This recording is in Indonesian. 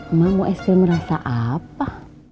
emak mau es krim rasa apa